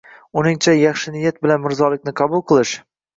Uningcha, “yaxshi niyat bilan mirzolikni qabul” qilish